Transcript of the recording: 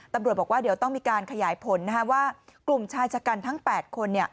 ตำรวจบอกว่าเดี๋ยวต้องมีการขยายผลว่ากลุ่มชายชะกันทั้ง๘คน